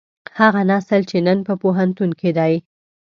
هغه نسل چې نن په پوهنتون کې دی.